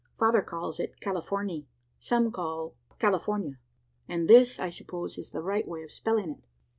Father calls it `Californey,' and some `California,' and this, I suppose, is the right way of spelling it.